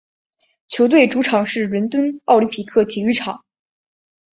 球队主场是伦敦奥林匹克体育场。